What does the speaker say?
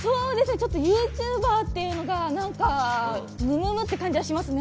ちょっとユーチューバーっていうのがなんかムムム？っていう感じはしますね。